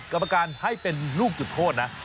กรรมการให้เป็นลูกจุดโทษนะ